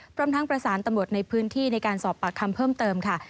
พร้อมทั้งประสานตำรวจในพื้นที่ในการสอบปากคำเพิ่มเติมค่ะ